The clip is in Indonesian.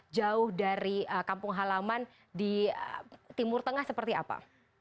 jauh dari kampung halaman di timur tengah seperti apa